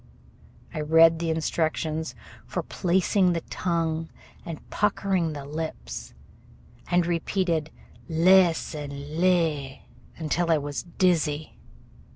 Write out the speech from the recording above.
I read the instructions for placing the tongue and puckering the lips and repeated les and las until I was dizzy.